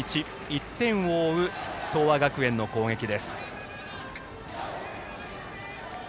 １点を追う東亜学園の攻撃です。